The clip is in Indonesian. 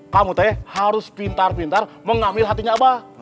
kamu teh harus pintar pintar mengambil hatinya abah